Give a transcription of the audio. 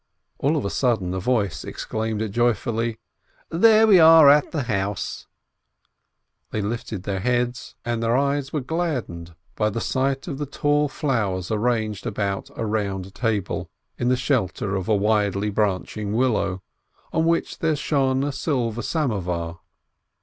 All of a sudden a voice exclaimed joyfully, "There we are at the house !" All lifted their heads, and their eyes were gladdened by the sight of the tall flowers arranged about a round table, in the shelter of a widely branching willow, on which there shone a silver samovar.